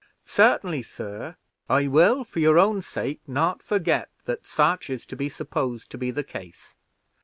"Certainly, sir, I will, for your own sake, not forget that such is to be supposed to be the case.